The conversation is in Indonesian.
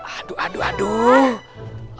aduh aduh aduh